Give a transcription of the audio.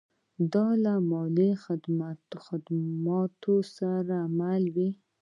دا له مالي خدماتو سره مل و